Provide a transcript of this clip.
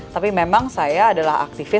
tapi memang saya adalah aktivis anti praktis